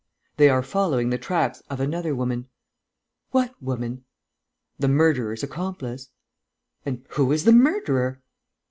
"They are following the tracks of another woman." "What woman?" "The murderer's accomplice." "And who is the murderer?"